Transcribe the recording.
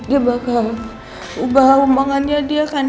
dia bakal ubah omongannya dia kan